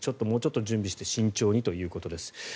もうちょっと準備をして慎重にということです。